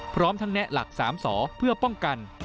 พร้อมทั้งแนะหลัก๓สอเพื่อป้องกัน